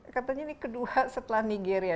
katanya ini kedua setelah nigeria